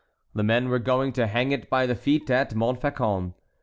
The men were going to hang it by the feet at Montfaucon.